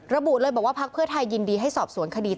ระบุเลยบอกว่าพักเพื่อไทยยินดีให้สอบสวนคดี